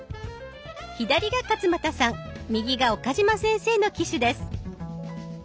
左が勝俣さん右が岡嶋先生の機種です。